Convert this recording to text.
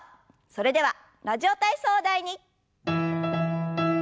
それでは「ラジオ体操第２」。